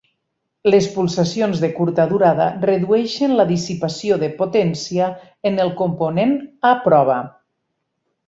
Les pulsacions de curta durada redueixen la dissipació de potència en el component a prova.